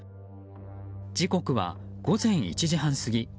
時刻は午前１時半過ぎ。